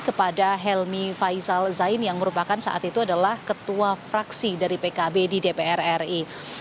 kepada helmi faisal zain yang merupakan saat itu adalah ketua fraksi dari pkb di dpr ri